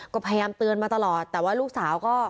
ก็พยายามเตือนมาตลอดแต่ว่าลูกสาวก็